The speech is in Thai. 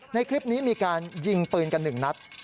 ในคลิปนี้มีการยิงปืนกัน๑นัด